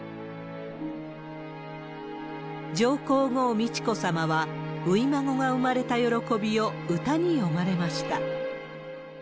上皇后美智子さまは、初孫が産まれた喜びを歌に詠まれました。